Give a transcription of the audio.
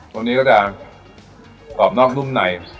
ตัวนี้ก็จะกรอบนอกนุ่มใน